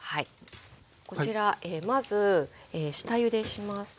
こちらまず下ゆでします。